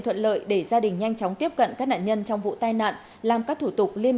thuận lợi để gia đình nhanh chóng tiếp cận các nạn nhân trong vụ tai nạn làm các thủ tục liên